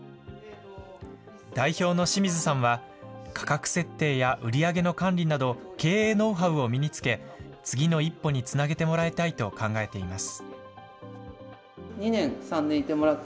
代表の清水さんは、価格設定や売り上げの管理など、経営ノウハウを身につけ、次の一歩につなげてもらいたいと考えています。